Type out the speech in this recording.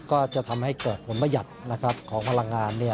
ก็จะทำให้เกิดผลประหยัดของพลังงาน